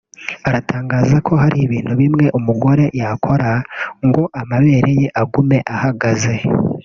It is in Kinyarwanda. aratangaza ko hari ibintu bimwe umugore yakora ngo amabere ye agume ahagaze